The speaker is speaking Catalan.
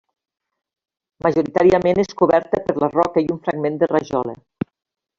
Majoritàriament és coberta per la roca i un fragment de rajola.